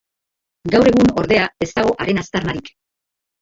Gaur egun ordea ez dago haren aztarnarik.